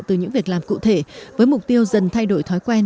từ những việc làm cụ thể với mục tiêu dần thay đổi thói quen